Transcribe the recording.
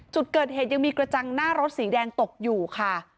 จุดเกิดเหตุยังมีกระจังหน้ารถสีแดงตกอยู่ค่ะ